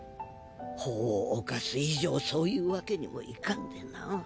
法を犯す以上そういうわけにもいかんでな。